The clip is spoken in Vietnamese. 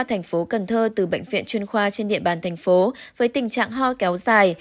thành phố cần thơ từ bệnh viện chuyên khoa trên địa bàn thành phố với tình trạng ho kéo dài